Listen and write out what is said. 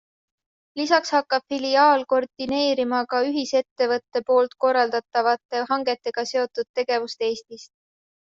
Lisaks hakkab filiaal koordineerima ka ühisettevõtte poolt korraldatavate hangetega seotud tegevust Eestis.